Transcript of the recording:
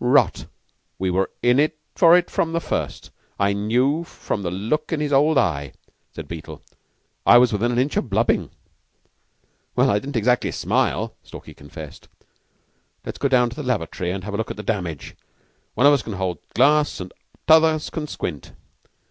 "Rot! We were in for it from the first. I knew the look of his old eye," said Beetle. "I was within an inch of blubbing." "Well, I didn't exactly smile," Stalky confessed. "Let's go down to the lavatory and have a look at the damage. One of us can hold the glass and t'others can squint."